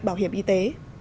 bảo hiểm y tế